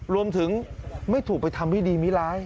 รวมถึงไม่ถูกไปทำวิธีมิร้าย